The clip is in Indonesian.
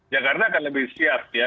jakarta akan lebih siap ya